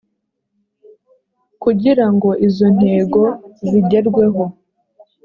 kugira ngo izo ntego zigerweho